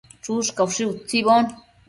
Chushcaushi utsibo